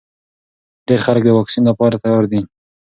ډېر خلک د واکسین لپاره تیار دي.